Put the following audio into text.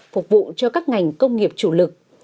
phục vụ cho các ngành công nghiệp chủ lực